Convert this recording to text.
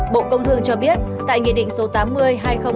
bộ công thương cho biết tại nghị định số tám mươi hai nghìn hai mươi